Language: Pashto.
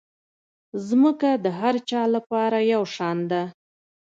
مځکه د هر چا لپاره یو شان ده.